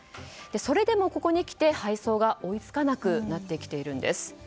それでもここにきて配送が追い付かなくなってきています。